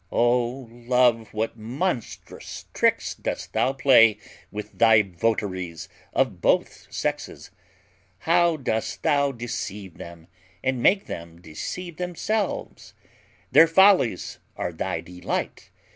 O Love, what monstrous tricks dost thou play with thy votaries of both sexes! How dost thou deceive them, and make them deceive themselves! Their follies are thy delight!